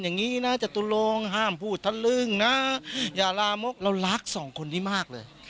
อย่างนี้นะจตุลงห้ามพูดทะลึ่งนะอย่าลามกเรารักสองคนนี้มากเลย